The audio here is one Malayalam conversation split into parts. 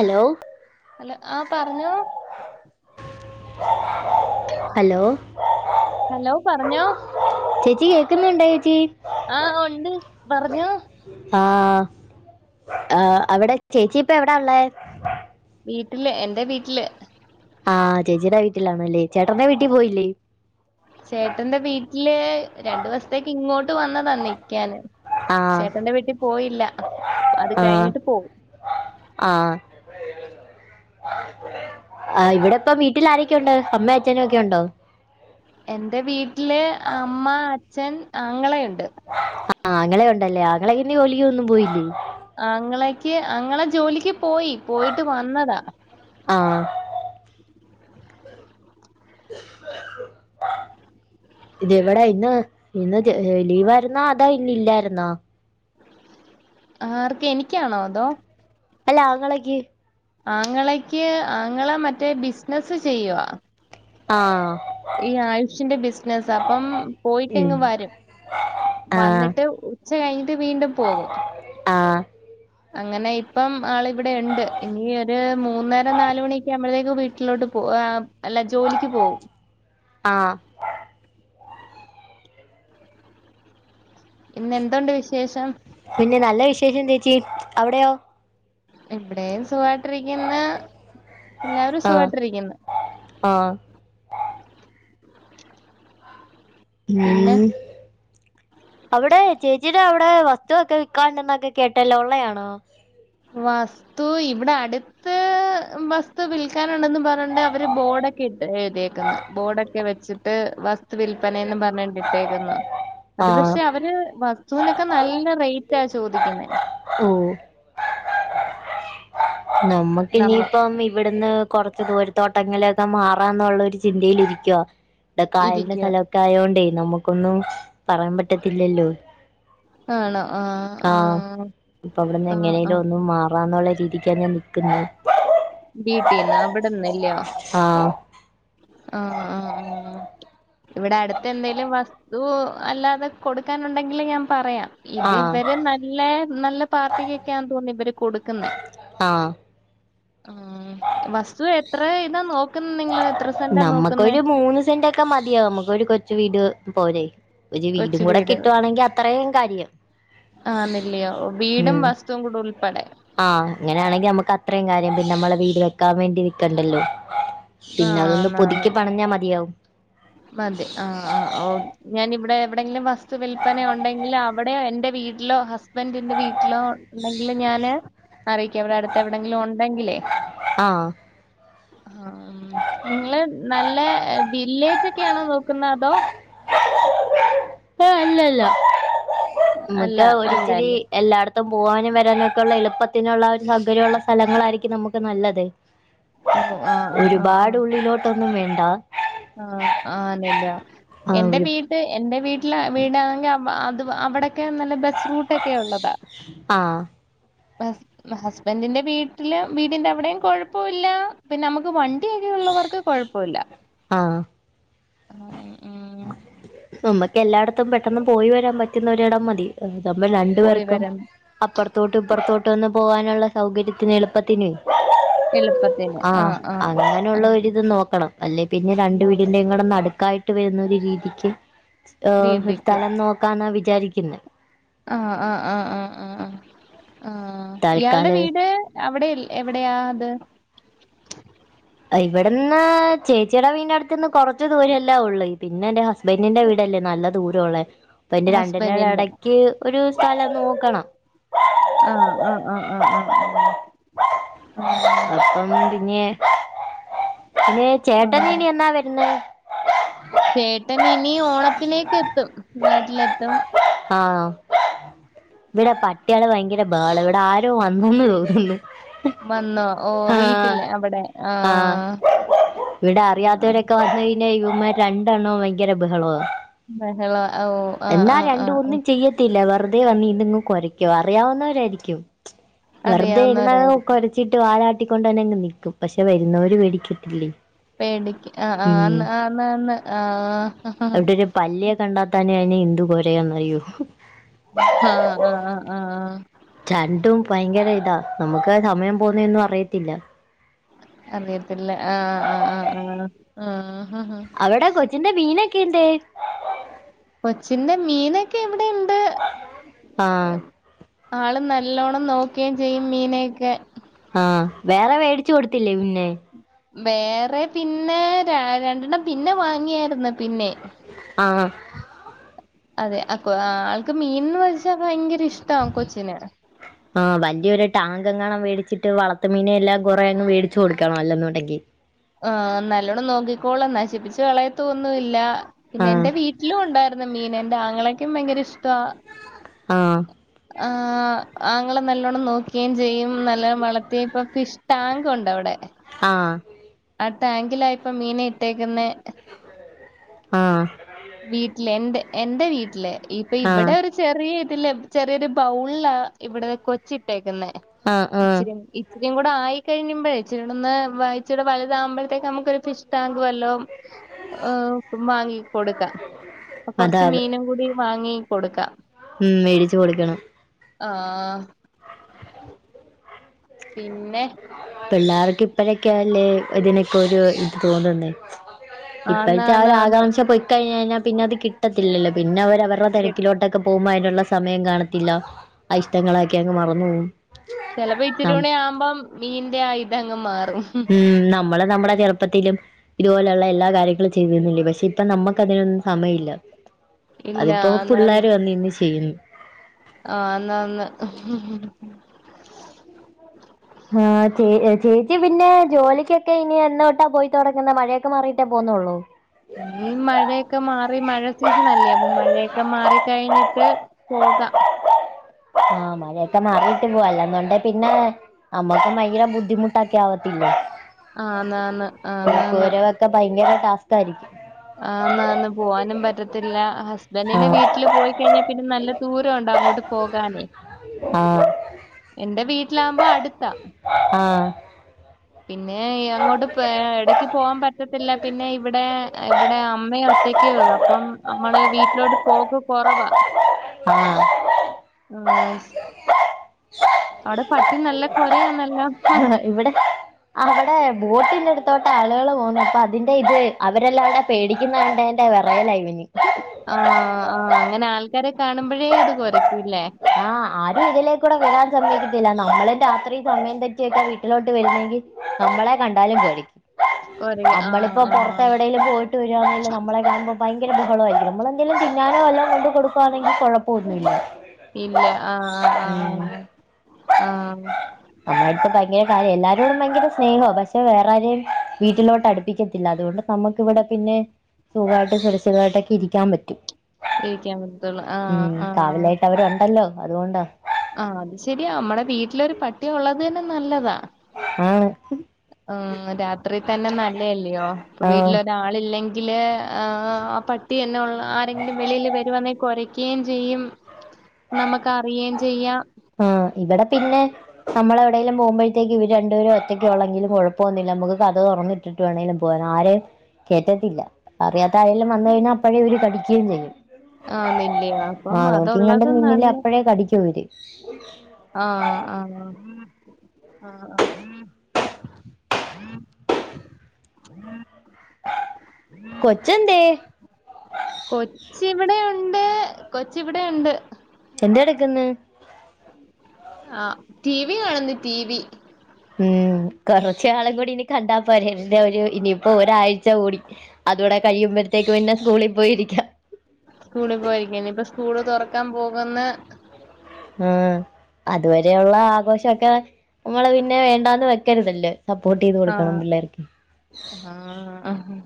അലോ അലോ ആ പറഞ്ഞോ ഹലോ ഹലോ പറഞ്ഞോ ചേച്ചി കേക്കുന്നുണ്ടോ ചേച്ചി ആ ഒണ്ട് പറഞ്ഞോ ആഹ് ആ അവിടെ ചേച്ചിപ്പെ എവടാ ഇള്ളെ? വീട്ടില് എന്റെ വീട്ടില് ആ ചേച്ചീടെ വീട്ടിലാണല്ലേ ചേട്ടന്റെ വീട്ടി പോയില്ലേ? ചേട്ടന്റെ വീട്ടില് രണ്ടു ദിവസത്തേക്ക് ഇങ്ങോട് ട്ട് വന്നതാ നിക്കാന് ആ ചേട്ടന്റെ വീട്ടി പോയില്ല അത് ആ കഴിഞ്ഞിട്ട് പോവും. ആ ആ ഇവിടെ ഇപ്പൊ വീട്ടിലാരൊക്കെ ഒണ്ട് അമ്മേ അച്ഛനൊക്കെ ഒണ്ടോ? എന്റെ വീട്ടില് അമ്മ അച്ഛൻ ആങ്ങളെയൊണ്ട്. ആ ആങ്ങളെ ഒണ്ടല്ലേ ആങ്ങളെങ്ങനെ ജോലിക്കൊന്നും പോയില്ലേ? ആങ്ങളേക്ക് ആങ്ങള ജോലിക്ക് പോയി പോയിട്ട് വന്നതാ. ആ [inaudible] ഇത് ഇവിടെ ഇന്ന് ഇന്ന്ത് ലീവായിരുന്നോ അതോ ഇന്ന് ഇല്ലായിരുന്നോ? ആർക്ക്‌ എനിക്കാണോ അതോ അല്ല ആങ്ങളേക്ക്? ആങ്ങളേക്ക് ആങ്ങള മറ്റേ ബിസിനസ് ചെയ്യുവാ ആ ഈ ആയുഷിന്റെ ബിസിനസ് അപ്പം ഉം. പോയിട്ടിങ്ങ് വരും ആ വന്നിട്ട് ഉച്ച കഴിഞ്ഞിട്ട് വീണ്ടും പോകും. ആ അങ്ങനെ ഇപ്പം ആള് ഇവിടെ ഉണ്ട് ഇനി ഒരു മൂന്നര നാലുമണിയൊക്കെ ആവുമ്പഴത്തേക്കും വീ ട്ടിലോട്ട് പോവും ഏഹ് അല്ല ജോലിക്ക് പോവും. ആ ഇന്നെന്തുണ്ട് വിശേഷം? പിന്നെ നല്ല വിശേഷം ചേച്ചി അവിടെയോ? ഇവിടെയും സുഖായിട്ടിരിക്കുന്ന് എല്ലാവരും സുഖായിട്ടിരിക്കുന്ന് ആ പിന്നെ ഉം അവിടെ ചേച്ചിയുടെ അവിടെ വസ്തുവൊക്കെ വിക്കാണ്ടന്നൊക്കെ കേട്ടല്ലോ ഉള്ളയാണോ? വസ്തു ഇവിടെ അടു ത്ത് വസ്തു വിൽക്കാനുണ്ടെന്ന് പറഞ്ഞൊണ്ട് അവര് ബോർഡൊക്കെ ഇട്ട് എഴുതിയേക്കുന്ന് ബോർഡൊക്കെ വെച്ചിട്ട് വസ്തു വിൽ പ്പനേംന്ന് പറഞ്ഞണ്ടിട്ടേക്കുന്നു അത് ആഹ് പക്ഷെ അവന് വസ് തൂനൊക്കെ നല്ല റേറ്റാ ചോദിക്കുന്നെ ഓ നമ്മക്ക് നമ്മ ഇനിയിപ്പം ഇവിടുന്ന് കുറച്ച് ദൂരത്തോട്ടങ്ങനെയൊക്കെ മാറാന്നുള്ള ഒരു ചിന്തയിലിരിക്കുവാ ഇടെ കായലിന്റെ ഇരിക്കുക സ്ഥലൊ ക്കായോണ്ടേ നമുക്കൊന്നും പറയാൻ പറ്റത്തില്ലല്ലോ. ആഹ് ഇപ്പൊ അവിടുന്ന് ആഹ് എങ്ങനേലും ആഹ് ഒന്നു മാറാന്നുള്ള രീ ക്ക്യാഞാ നിക്കുന്നെ വീട്ടീന്ന് അവിടന്നല്ലോ ആഹ് ആഹ് ആഹ് ആഹ് ഇവിടെ അടുത്ത് എന്തേലും വസ്തു അല്ലാതെ കൊടുക്കാനുണ്ടെങ്കിൽ ഞാൻ പറയാ ഇത് ആഹ് ഇവര് നല്ല നല്ല പാർട്ടിക്കൊക്കെയാന്ന് തോന്നുന്നെ ഇവര് കൊടുക്കുന്നെ ആഹ് ആഹ് വസ്തു എത്ര ഇതാ നോക്കുന്നെ നിങ്ങള് എത്ര സെന്റാ നോക്കുന്നേ നമ്മുക്കൊരു മൂന്ന് സെന്റ് ക്കെ മതിയാ നമുക്ക് ഒരു കൊച് വീട് പോരെ ഒരു വീടും കൊച്ചു കൂടെ വീട് കിട്ടുവാണെങ്കി അത്രയും കാര്യം ആന്നില്ലയോ ഓഹ് വീടും ഉം വസ്തുവും കൂടെ ഉൾപ്പെടെ ആഹ് അങ്ങനെയാണെങ്കി നമ്മുക്ക് അത്രയും കാര്യം പിന്നെ നമ്മളെ വീട് വെക്കാൻ വേണ്ടി നിക്കണ്ടല്ലോ പിന്നെ അതൊന്ന് ആന്നാന്ന് പുതുക്കി പണഞ്ഞാ മതിയാവും മതി ആഹ് ആഹ് ഓ ഞാന് ഇവിടെ എവിടെങ്കിലും വസ്തു വൽപന ഉണ്ടെങ്കിൽ അവിടെ എന്റെ വീട്ടിലോ ഹസ്ബന്റിന്റെ വീട്ടിലോ ണ്ടെങ്കിലും ഞാന് അറിയിക്കാം വിടെ അടുത്ത് എവിടെങ്കിലും ഉണ്ടെങ്കിലേ ആഹ് ആഹ് നിങ്ങള് നല്ല ബില്ല് തൊക്കെയാണോ നോക്കുന്ന അതോ ഏഹ് അല്ലല്ല അല്ല മക് അല്ല ഒരിത്തിരി അല്ലേ എല്ലായിട ത്തം പോവാനും വരാനും ഒക്കെയുള്ള എളുപ്പത്തിനുള്ള ഒരു സൗകര്യം ഉള്ള സ്ഥലങ്ങളായിരിക്കും നമുക്ക് നല്ലത് ഓഹ് ആഹ് ആഹ് ആഹ് ആഹ് ട്ടൊന്നും വേണ്ടാ ആഹ് ആനല്ല ആഹ് എന്റെ ഒരു വീട്ട് എന്റെ വീട്ടില് വീടാണെങ്കി അം അഹ് ത് വ അവിടെക്കെ നല്ല ബസ് റൂട്ടൊക്കെ ഉള്ളതാ ആഹ് ബസ് ഹസ്ബൻഡിന്റെ വീട്ടില് വീടിന്റെ എവിടെയും കുഴപ്പോല്ല പിന്നെ നമുക്ക് വണ് ണ്ടിയൊക്കെ ഉള്ളവർക്ക് കുഴപ്പല്ല ആഹ് ആഹ് ഉം നമ്മക്ക് എല്ലായിടത്തും പെട്ടെന്ന് പോയി വരാൻ പറ്റുന്ന ഒരെടം മതി അതമ്പ രണ്ടു പോയി പേർക്കും വരാൻ അപ്പുറത്തോട്ട് ഇപ്പുറത്തോട്ട് വന്ന് പോആനുള്ള സൗകര്യത്തിന് എളുപ്പത്തിന് എളു ആഹ് അങ്ങനെയുള്ള ഒരിത് നോക്കണം അല്ലെ പിന്നെ രണ്ട് വീടിന്റെയും കൂടെ ന്നടുക്കായി ട്ട് വരുന്ന ഒരു രീതിക്ക് ഏഹ് ഒരു രീതിക്ക് തലം നോക്കാന വിചാരിക്കുന്ന ആഹ് ആഹ് ആഹ് ആഹ് ആഹ് ആഹ് ആഹ് ഇയാൾടെ തൽക്കാലം വീട് അവിടെ എവിടെയാ അത് അഹ് ഇവിടെന്ന് ചേച്ചിയുടെ വീൻ അടുത്ത്ന്ന് കുറച്ച് ദൂരല്ലാ ഉള്ളഹ് പിന്നെ എന്റെ ഹസ് ബെന്റിന്റെ വീടല്ലേ നല്ല ദൂരോള്ളേ പ്പ ന്റെ ഹസ്ബൻഡിന്റെ രണ്ടിന്റെടക്ക് ഒരു സ്ഥലം നോക്കണം ആഹ് ആഹ് ആഹ് ആഹ് ആഹ് ആഹ് ആഹ് അപ്പം പിന്നെ ന്നെ ആഹ് ചേട്ടൻനി എന്നാ വരുന്ന ചേട്ടൻ ഇനി ഓണത്തിനേക് എത്തും നാട്ടിലെത്തും ആണോ ഇവിടെ പട്ടികള് ഭയങ്കര ബേഹ്ള ഇവിടെ ആരോ വന്നെന്ന് തോന്നുന്നു വന്നോ ഓഹ് ആ വീട്ടില്ലേ അവിടെ ആ ആഹ് ആഹ് ഇവിടെ അറിയാത്തവരൊക്കെ വന്നയ്ഞ ഇവൻമാര് രണ്ടെണ്ണം ഭയങ്കര ബഹളവാ ബഹളവാ ഓഹ് ആഹ് ആഅഹ ആഹ് ആഹ് ഒന്നും ചെയ്യത്തില്ല വെറുതെ വന്ന് ഇതിങ്ങ് കുറക്കും അറിയാവുന്നവരായിരിക്കും വെറുതെ ആരുന്ന അറിയാവുന്നവരായിരിക്കും കൊരച്ചിട്ട് വാലാട്ടിക്കൊണ്ട് തന്നെ ഇങ്ങ് നിക്കും പക്ഷെ വരുന്നവര് പേടിക്കത്തില്ലേ പേടിക്ക് ആഹ് ഉം ആഹ് ആന്നാന്ന് ആഹ് അവിടെ ഒരു പല്ലിയെ കണ്ടാത്താൻ അയിന് [unintelligible] അഹ് അഹ് അഹ് അഹ് അഹ് രണ്ടും ഭയങ്കര ഇതാ നമുക്ക് സമയം പോണെന്നും അറിയത്തില്ല അറിയത്തില്ല അഹ് അഹ് അഹ് അവിടെ കൊച്ചിന്റെ മീനൊക്കെന്തെ കൊച്ചിന്റെ മീൻ ആഹ് ആള് നല്ലോണ്ണം നോക്കുകയും ചെയ്യും മീനെയൊക്കെ ആഹ് വേറെ മേടിച്ചു കൊടുത്തില്ലേ പിന്നെ വേറെ പിന്നെ രണ്ടെണ്ണം പിന്നെ വാങ്ങിയായിരുന്നു പിന്നെ ആഹ് അതെ ആഹ് ആൾക്ക് മീൻന്ന് വെച്ച ഭയങ്കര ഇഷ്ടാ ആ കൊച്ചിലെ ആഹ് വലിയൊരു ടാങ്കെങ്ങാണം മേടിച്ചിട്ട് വളർത്തു മീനെല്ലാം കുറേ അങ്ങ് വേടിച്ച് കൊടുക്കണം അല്ലന്നുണ്ടെങ്കിൽ അഹ് നല്ലോണം നോക്കിക്കോളും നശിപ്പിച്ച് കളയത്തോൊന്നുല്ല ആ പിന്നെ എൻ്റെ വീട്ടി വീട്ടിലും ഉണ്ടായിരുന്ന് മീൻ എന്റെ അങ്ങളക്കും ഭയങ്കര ഇഷ്ട ആഹ് ആഹ് ആങ്ങള നല്ലോണം നോക്കുകയും ചെയ്യും നല്ല വളർത്തി ഇപ്പ ഫിഷ് ടാങ്ക് ഉണ്ട് അവിടെ ആഹ് ആഹ് ടാങ്കിലായിപ്പം മീനെ ഇട്ടേക്കുന്നെ ആ വീട്ടില് എന്റെ എന്റെ വീട്ടില് ഇപ്പൊ ആ ഇവിടെ ഒരു ചെറിയ ഇതില് ചെറിയൊരു ബൗളാ ഇവിട കൊച്ചു ഇട്ടേക്കുന്ന ആ ആ ഇച്ചിരി ഇച്ചരി കൂടെ ആയി കഴിമ്പഴേ ഇവിടന്ന് ഇച്ചരി വലുതാവകുമ്പ നമ്മുക്ക് ഫിഷ്ടാങ്ക് വല്ലോം വാങ്ങി കൊടുക്കാം കൊറച്ച് അതാ മീനും കൂടി വാങ്ങി കൊടുക്കാം ഉം മേടിച്ച് കൊടുക്കണം ആഹ് പിന്നെ പിള്ളേർക്ക് ഇപ്പഴൊക്കെയല്ലേ ഇതിനൊക്കെ ഒരു ഇത് തോന്നുന്നേ ഇപ്പഴത്തെ ആ ഒരു ആന്നാന്നാന്ന് ആകാംക്ഷ പോയിക്കഴിഞ്ഞ കഴിഞ്ഞാൽ പിന്നെ അത് കിട്ടത്തില്ലല്ലോ പിന്നെ അവ വരുടെ കെ തിരക്കിലോട്ടൊക്കെ പോകുമ്പോ അതിനുള്ള സമയം കാണത്തില്ല അ ഇഷ്ടങ്ങളാക്കെ അങ്ങ് മറന്നു പോവും ചിലപ്പോ ഇച്ചിരി നം കൂടി ആകുമ്പോം മീന്റെ ആ ഇതങ്ങ് മാറും ഉം നമ്മള് നമ്മുടെ ചെറുപ്പത്തിലും ഇതുപോലെയുള്ള എല്ലാ കാര്യങ്ങളും ചെയ്തിരുന്നില്ലേ പക്ഷെ ഇപ്പ നമ്മുക്ക് അതിനൊന്നും സമയമില്ല ഇല്ല അതിപ്പോ ആന്നാന്ന് പോള്ളോര് വന്ന് ഇന്ന് ചെയ്യുന്നു ആന്നാന്ന് ആഹ് ചേ ചേച്ചി പിന്നെ ജോലിക്കൊക്കെ ഇനി എന്ന് തൊട്ടാ പോയി തുടങ്ങുന്നേ മഴയൊക്കെ മാറിയിട്ടേ പോന്നൊള്ളോ ഈ മഴയൊക്കെ മാറി മഴ സീസൺ അല്ലേ അപ്പൊ മഴയൊക്കെ മാറി കഴിഞ്ഞിട്ട് പോകാം അഹ് മഴയൊക്ക മാറിയിട്ട് പോവാ അല്ലന്നുണ്ടേ പിന്നെ നമക്കും ഭയങ്കര ബുദ്ധിമുട്ടൊക്കെ ആവത്തില്ല ആന്നാന്ന് ആന്നാന്ന് പോര ക്ക ഭയങ്കര ടാ തരി ആന്നാന്ന് പോവാനും പറ്റത്തില്ല ഹസ്ബന്റിന്റെ വീട്ടില് പോയി കഴിഞ്ഞാ പിന്നെ നല്ല ദൂരം ഉണ്ടോ അങ്ങോട്ട് പോകാനെ ആഹ് എന്റെ വീട്ടിലാവുമ്പോ അട്ത്താ ആഹ് പിന്നെയങ്ങോട്ട് പേ എടക്ക് പോവാൻ പറ്റത്തില്ല പിന്നെ ഇവടെ ഇവടെ അമ്മയൊ റ്റക്കേള്ളു അപ്പം അമ്മളെ വീട്ടിലോട്ട് പോക്ക് കൊറവാ ആഹ് ആഹ് ആടെ പട്ടി നല്ല കൊരയാന്ന ഇവടെ അവടെ ബോട്ടിന്റെട്ത്തോട്ട് ആള്കള് പോവ്ന്ന് അപ്പൊ അതിന്റെ ഇത് അവരെല്ലാടെ പേടിക്കിന്ന കണ്ടേ [unintelligible] വെറയല ഇവന് ആഹ് ആഹ് അങ്ങനെ ആൾക്കാരെ കാണുമ്പഴേ അത് കൊരയ്ക്കൂല്ലേ? ആഹ് ആഹ് അത് ഇതിലേക്കൂടെ വരാൻ സമ്മയിക്കത്തില്ല നമ്മളും രാത്രി സമയം തെറ്റിയൊക്കാ വീട്ടിലോട്ട് വെരുന്നങ്കി നമ്മളെ കണ്ടാലും പേടിക്കും കൊരയും ആ അമ്മളിപ്പോ ആ പൊറത്ത് എവടേലും പോയിട്ട് വെരുവാണേല് ഞമ്മളെ കാണുമ്പം ഭയങ്കര ബഹളവായിരിക്കും ഞമ്മളെന്തേലും തിന്നാനോ വല്ലോം കൊണ്ട് കൊട്ക്കുവാണെങ്കി കൊഴപ്പവൊന്നുയില്ല ഇല്ല ആഹ് ആഹ് ആഹ് ആഹ് ആഹ് അമ്മേട്ത്ത് ഭയങ്കര കാര്യാ എല്ലാരോടും ഭയങ്കര സ്നേഹൊ പക്ഷേ വേറെ ആരെയും വീട്ട്ലോട്ട് അട്പ്പിക്കത്തില്ല അതുകൊണ്ട് നമ്മക്ക് ഇവടെ പിന്നെ സുഖായിട്ട് സുരക്ഷിതമായിട്ടൊക്കെ ഇരിക്കാൻ പറ്റും ഇരിക്ക്യാൻ പറ്റത്തുള്ളു ആഹ് ആഹ് അല്ലോ അതുകൊണ്ടാ ആഹ് അത് ശെരിയാ അമ്മടെ വീട്ടിലൊരു പട്ടി ഒള്ളതന്നെ നല്ലതാ ആഹ് ആഹ് രാത്രി തന്നെ നല്ലെല്ല്യയോ ഇപ്പൊ ആഹ് വീട്ട്ലൊ രാളില്ലെങ്കില് ആഹ് പട്ടിയന്നെ ഉള്ളു ആരെങ്കിലും വെളിയില് വെരുവാന്നെ കൊര ക്കേം ചെയ്യും നമ്മക്കറിയേം ചെയ്യാ ആഹ് ഇവടെ പിന്നെ നമ്മളെവിടേലും പോവുമ്പഴത്തേക്ക് ഇവര് രണ്ടപേര് ഒറ്റക്കെ ഉള്ളെങ്കിലും കൊഴപ്പൊന്നില്ല നമ്മക്ക് കതക് തൊറന്നി ട്ട്ട്ട് വേണേലും പോവാ ആരെ കേറ്റത്തില്ല അറിയാത്ത ആരേലും വന്ന് കഴിഞ്ഞാ അപ്പഴേ ഇവര് കടിക്ക്യേം ചെയ്യും ആന്നില്ലയോ അപ്പം ആഹ് നോക്കി കണ്ട് അതുള്ളത് നിന്നില്ലെ നല്ല അപ്പഴേ കടിക്ക്യും ഇവര് ആഹ് ആഹ് ആഹ് ആഹ് കൊച്ചെന്തേ [unintelligible] കൊച്ച് ഇവടെയുണ്ട് കൊച്ച് ഇവിടെയുണ്ട് എന്ത് എട്ക്ക്ന്ന് ആഹ് ടീവി കാണുന്നു ടീവി ഉം കൊറച്ച് നാളും കൂടി ഇനി കണ്ടാ പോരെ ഇന്റെ ഒരു ഇനിയിപ്പോ ഒരാഴ്ച കൂടി അതൂടെ കഴിയുമ്പത്തേക്ക് പിന്നെ സ്കൂളി പോയിരിക്കാ സ്കൂളിൽ പോയിരിക്ക്യാ ഇനിപ്പൊ സ്കൂള് തൊറക്കാൻ പോക്ന്ന് ആഹ് അത് വരെയുള്ള ആഘോഷൊക്കവെ അമ്മള് പി ന്നെ വേണ്ടാന്ന് വെക്കര്തല്ലോ സപ്പോർട്ടെയ്ത് കൊടുക്കണം ആഹ് പിള്ളേര്ക്ക് ആഹ്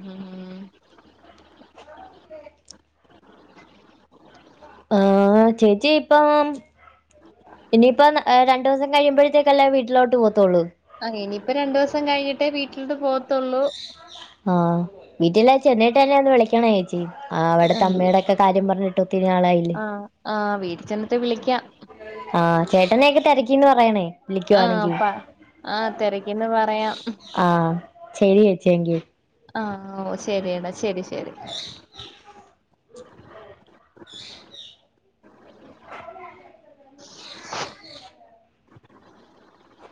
ആഹ് ചേച്ചിയിപ്പം ഇനിയിപ്പന്ന് ഏഹ് രണ്ടോസം കഴിയുമ്പഴത്തേക്കല്ലേ വീട്ട്ലോട്ട് പോവത്തുള്ളു ആഹ് ഇനിയിപ്പം രണ്ടോസം കഴിഞ്ഞിട്ടേ വീട്ട്ലോട്ട് പോവത്തുള്ളു ആഹ് വീട്ടിലാ ചെന്നേട്ടെന്നെയൊന്ന് വിളിക്കണേച്ചി ആ അവടത്തെ ആഹ് അമ്മേടെക്കെ കാര്യം പറഞ്ഞിട്ട് ഒത്തിരിനാളായി ആഹ് ആഹ് വീട്ട് ചെന്ന്ട്ട് വിളിക്ക്യാ ആഹ് ചേട്ടനെക്കെ തെരക്കീന്ന് പറയണേ ആഹ് വിളിക്കുവാണെങ്കി പ ആഹ് തെരക്കീന്ന് പറയാം. ആഹ് ശരി വെച്ചെങ്കിൽ. ആഹ് ഓഹ് ശരിയെടാ ശരി ശരി [unintelligible] [unintelligible]